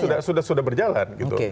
sudah sudah berjalan gitu